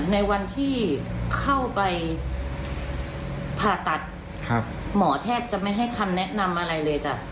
ในวันที่เข้าไปผ่าตัดหมอแทบจะไม่ให้คำแนะนำอะไรเลยจ้ะ